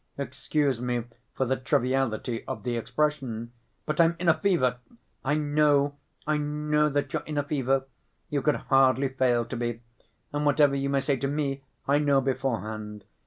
Excuse me for the triviality of the expression, but I'm in a fever—" "I know, I know that you're in a fever. You could hardly fail to be, and whatever you may say to me, I know beforehand.